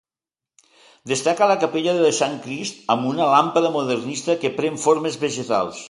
Destaca la capella del Sant Crist amb una làmpada modernista que pren formes vegetals.